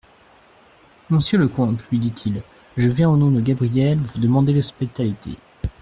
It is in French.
Monsieur le comte, lui dit-il, je viens au nom de Gabrielle vous demander l'hospitalité.